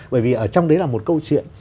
bởi vì ở trong đấy là một câu chuyện